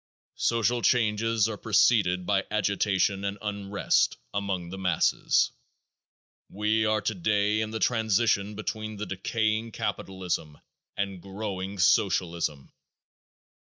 Social changes are preceded by agitation and unrest among the masses. We are today in the transition period between decaying capitalism and growing Socialism.